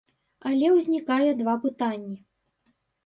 Але ўзнікае два пытанні.